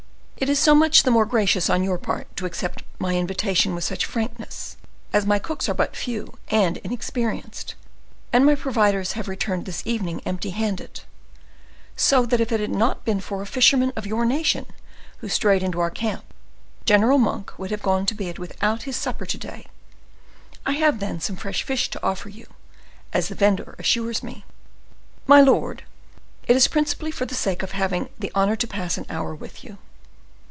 "It is so much the more gracious on your part to accept my invitation with such frankness, as my cooks are but few and inexperienced, and my providers have returned this evening empty handed; so that if it had not been for a fisherman of your nation who strayed into our camp, General Monk would have gone to bed without his supper to day; I have, then, some fresh fish to offer you, as the vendor assures me." "My lord, it is principally for the sake of having the honor to pass an hour with you."